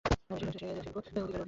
বেশির ভাগ শিল্প সরকারের অধীন ছিল।